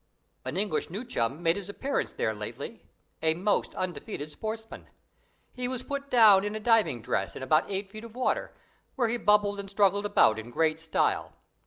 An English new chum made his appearance there lately a most undefeated sportsman. He was put down in a diving dress in about eight feet of water, where he bubbled and struggled about in great style.